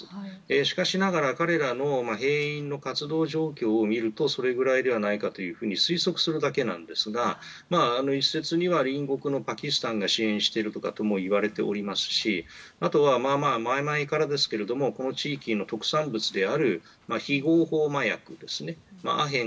しかしながら、彼らの兵員の活動状況を見るとそれぐらいではないかと推測するだけなんですが一説には隣国のパキスタンが支援しているともいわれていますしあとは前々からですけれどもこの地域の特産物である非合法麻薬ですね。